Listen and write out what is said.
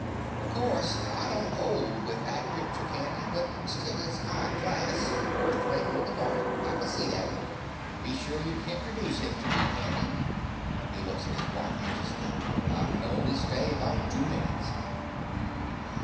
Of course I don't 'old with that pictur, Candy; but still it's a 'igh class, fust rate work of art: I can see that. Be sure you hintroduce me to him, Candy. (He looks at his watch anxiously.) I can only stay about two minutes.